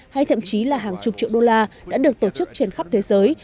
hay thậm chí là hàng chục triệu đô la đã được tổ chức trên khắp thế giới